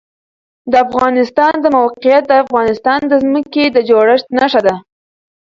د افغانستان د موقعیت د افغانستان د ځمکې د جوړښت نښه ده.